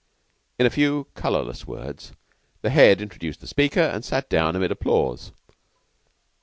In a few colorless words, the Head introduced the speaker and sat down amid applause.